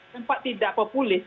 kenapa tidak populis